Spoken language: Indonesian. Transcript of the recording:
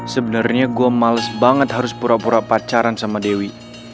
sebenarnya gue males banget harus pura pura pacaran sama dewi